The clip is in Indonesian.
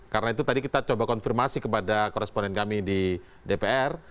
karena itu tadi kita coba konfirmasi kepada koresponen kami di dpr